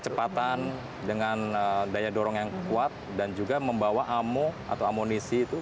kecepatan dengan daya dorong yang kuat dan juga membawa amo atau amunisi itu